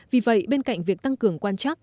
vì vậy bên cạnh việc tăng cường quan trắc